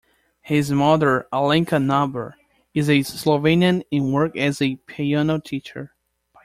His mother, Alenka Naber, is a Slovenian and works as a piano teacher.